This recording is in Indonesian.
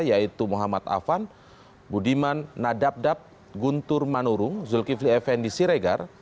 yaitu muhammad afan budiman nadabdap guntur manurung zulkifli effendi siregar